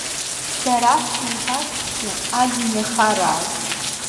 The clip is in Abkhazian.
Сара сеибазҭгьы, аӡын иахарааз?